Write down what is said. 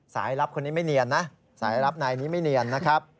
สายลับคนนี้ไม่เนียนนะสายลับนายนี้ไม่เนียนนะครับ